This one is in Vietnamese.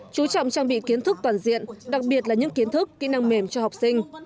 chú trọng trang bị kiến thức toàn diện đặc biệt là những kiến thức kỹ năng mềm cho học sinh